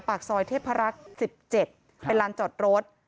ปากซอยเทพรักษ์๑๗เป็นลานจอดรถ